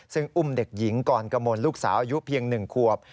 ซึ่งอุ้มเด็กหญิงกรกมลลูกสาวอายุเพียง๑ขวบ